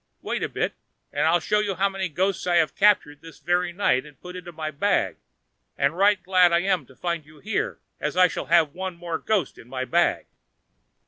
wait a bit and I'll show you how many ghosts I have captured this very night and put into my bag; and right glad am I to find you here, as I shall have one more ghost in my bag."